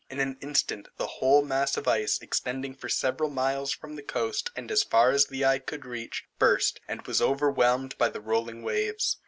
In an instant, the whole mass of ice, extending for several miles from the coast, and as far as the eye could reach, burst, and was overwhelmed by the rolling waves.